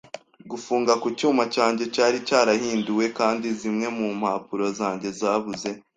Gufunga ku cyuma cyanjye cyari cyarahinduwe kandi zimwe mu mpapuro zanjye zabuze.